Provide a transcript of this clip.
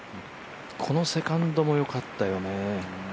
このセカンドも良かったよね。